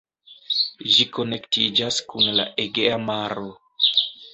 Ĝi konektiĝas kun la Egea maro.